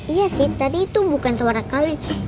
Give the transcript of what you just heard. iya sih tadi itu bukan suara kami